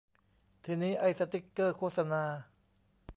ทีนี้ ไอ้สติ๊กเกอร์โฆษณา